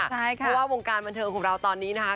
เพราะว่าวงการบันเทิงของเราตอนนี้นะคะ